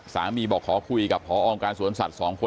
บอกขอคุยกับพอองค์การสวนสัตว์๒คน